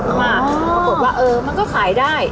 ปรากฏว่าเออมันก็ขายได้